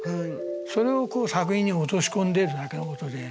それを作品に落とし込んでるだけのことで。